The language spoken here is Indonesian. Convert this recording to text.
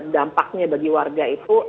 dampaknya bagi warga itu